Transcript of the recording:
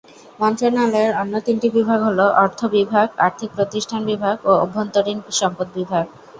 মন্ত্রণালয়ের অন্য তিনটি বিভাগ হলো: অর্থ বিভাগ, আর্থিক প্রতিষ্ঠান বিভাগ ও অভ্যন্তরীণ সম্পদ বিভাগ।